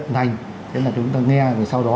nành thế là chúng ta nghe rồi sau đó